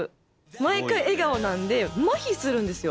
毎回笑顔なんでまひするんですよ。